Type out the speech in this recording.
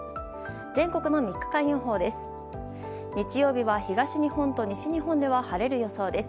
全国の３日間予報です。